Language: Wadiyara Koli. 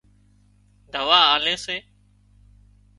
دوا آلي سي